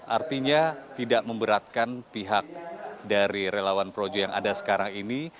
artinya tidak memberatkan pihak dari relawan projo yang ada sekarang ini